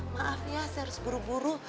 maaf ya saya harus buru buru